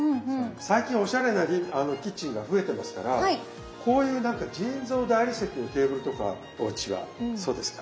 最近おしゃれなキッチンが増えてますからこういう何か人造大理石のテーブルとかおうちはそうですか？